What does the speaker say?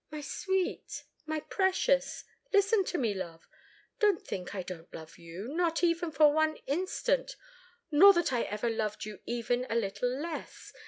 "My sweet my precious! Listen to me, love; don't think I don't love you, not even for one instant, nor that I ever loved you even a little less.